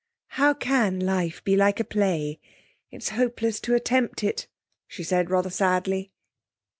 'How can life be like a play? It's hopeless to attempt it,' she said rather sadly.